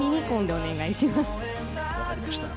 分かりました。